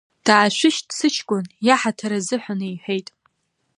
Даашәышьҭ сыҷкәын иаҳаҭыр азыҳәан, — иҳәеит.